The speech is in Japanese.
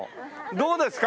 どうですか？